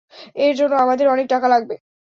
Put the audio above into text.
এর জন্যে আমাদের অনেক টাকা লাগবে।